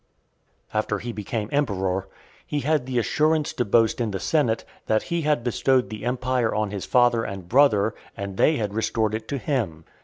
XIII. After he became emperor, he had the assurance to boast in the senate, "that he had bestowed the empire on his father and brother, and they had restored it to him."